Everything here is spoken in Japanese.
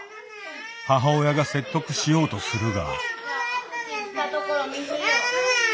母親が説得しようとするが。